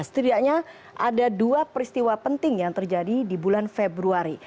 setidaknya ada dua peristiwa penting yang terjadi di bulan februari